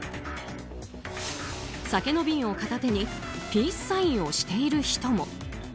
酒の瓶を片手にピースサインをしている人も。